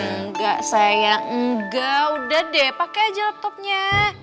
enggak sayang enggak udah deh pakai aja laptopnya